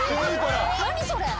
何それ。